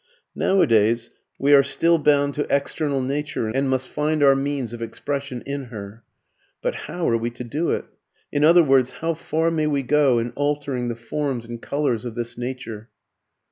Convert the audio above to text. Nowadays we are still bound to external nature and must find our means of expression in her. But how are we to do it? In other words, how far may we go in altering the forms and colours of this nature?